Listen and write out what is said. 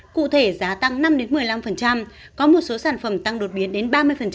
cụ thể giá tăng năm một mươi năm có một số sản phẩm tăng đột biến đến ba mươi